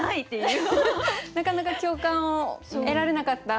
なかなか共感を得られなかった。